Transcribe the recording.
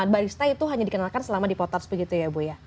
barista itu hanya dikenalkan selama dipotos begitu ya bu ya